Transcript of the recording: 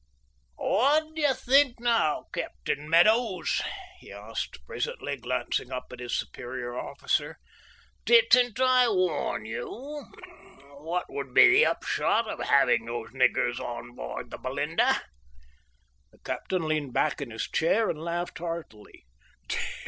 "What d'ye think now, Captain Meadows?" he asked presently, glancing up at his superior officer. "Didn't I warn you what would be the upshot of having those niggers on board the Belinda?" The captain leant back in his chair and laughed heartily.